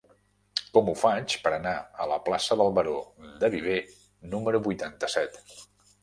Com ho faig per anar a la plaça del Baró de Viver número vuitanta-set?